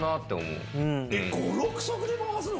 ５６足で回すの？